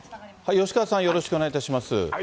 吉川さん、よろしくお願いします。